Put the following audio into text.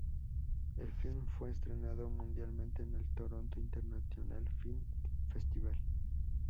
El film fue estrenado mundialmente en el "Toronto International Film Festival".